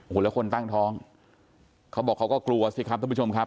โอ้โหแล้วคนตั้งท้องเขาบอกเขาก็กลัวสิครับท่านผู้ชมครับ